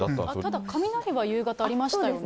ただ、雷は夕方ありましたよね。